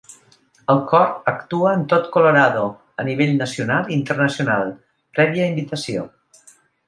El Cor actua en tot Colorado, a nivell nacional i internacional, prèvia invitació.